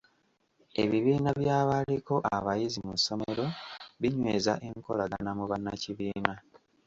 Ebibiina by'abaaliko abayizi mu ssomero binyweza enkolagana mu bannakibiina.